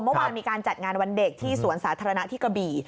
เมื่อวานมีการจัดงานวันเด็กที่สวนสาธารณะที่กระบี่